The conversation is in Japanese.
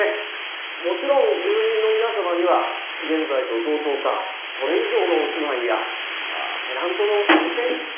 もちろん住民の皆様には現在と同等かそれ以上のお住まいやテナントの優先。